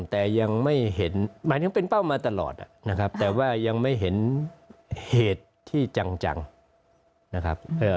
แต่ยังไม่เห็นหมายถึงเป็นเป้ามาตลอดนะครับแต่ว่ายังไม่เห็นเหตุที่จังนะครับ